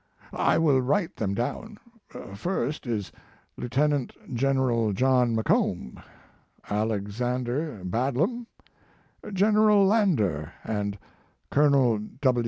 I will write them down. First is Lieutenant General John McComb, Alexander Badlam, General L,ander and Col.